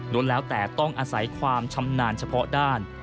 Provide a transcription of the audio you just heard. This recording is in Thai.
แล้วแต่ต้องอาศัยความชำนาญเฉพาะด้าน